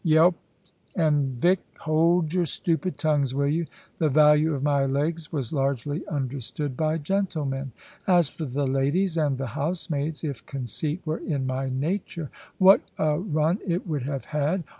Yelp and Vick, hold your stupid tongues, will you?" The value of my legs was largely understood by gentlemen. As for the ladies and the housemaids, if conceit were in my nature, what a run it would have had!